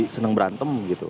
seneng berantem gitu